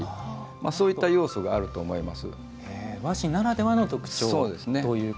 そういった要素があると思います。